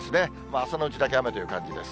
朝のうちだけ雨という感じです。